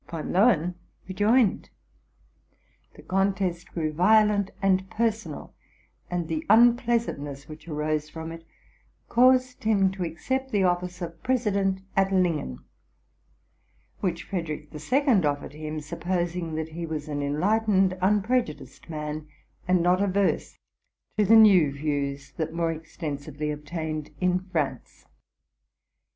Von Loen rejoined; the contest grew violent and personal, and the unpleasantness which arose from it caused him to accept the office of president at Lingen, which Frederick II. offered him; supposing that he was an enlightened, unprejudiced man, and not averse to the new views that more exten sively obtained in France.